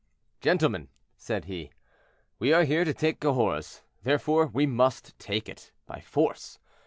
"Gentlemen," said he, "we are here to take Cahors; therefore we must take it—by force.